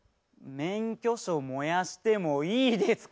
「免許証燃やしてもいいですか？」